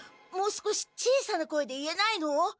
もう少し小さな声で言えないの？